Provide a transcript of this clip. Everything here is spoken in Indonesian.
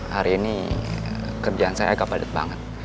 hari ini kerjaan saya kepadat banget